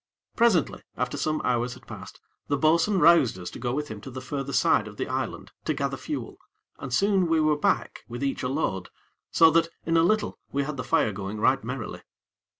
Presently, after some hours had passed, the bo'sun roused us to go with him to the further side of the island to gather fuel, and soon we were back with each a load, so that in a little we had the fire going right merrily.